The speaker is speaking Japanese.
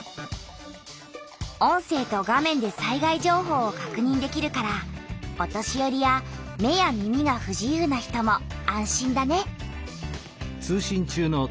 音声と画面で災害情報をかくにんできるからお年よりや目や耳がふ自由な人も安心だね。